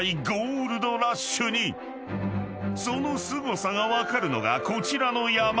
［そのすごさが分かるのがこちらの山］